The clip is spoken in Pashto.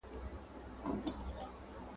دلته به څه کړم غونچې د ګلو ..